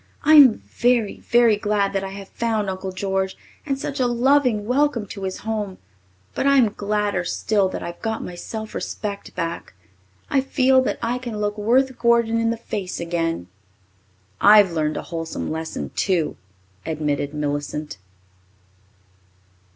"I'm very, very glad that I have found Uncle George and such a loving welcome to his home. But I'm gladder still that I've got my self respect back. I feel that I can look Worth Gordon in the face again." "I've learned a wholesome lesson, too," admitted Millicent.